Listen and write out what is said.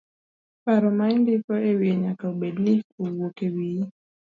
Paro ma indiko ewiye nyaka obed ni owuok ewiyi.